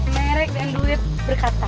merek dan duit berkata